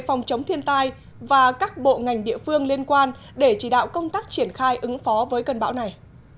phòng chống thiên tai và các bộ ngành địa phương liên quan để chỉ đạo công tác triển khai ứng phó với cơn bão này